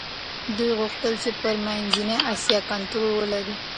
دوی غوښتل چي پر منځنۍ اسیا کنټرول ولري.